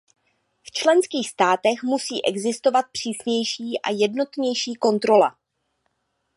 V členských státech musí existovat přísnější a jednotnější kontrola.